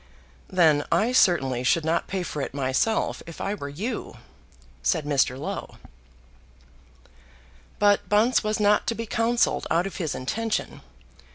"Then I certainly should not pay for it myself if I were you," said Mr. Low. But Bunce was not to be counselled out of his intention.